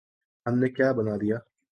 ہم نے کیا بنا دیا؟